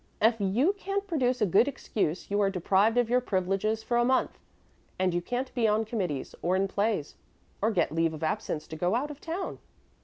If you can't produce a good excuse you are deprived of your privileges for a month, and you can't be on committees or in plays or get leave of absence to go out of town."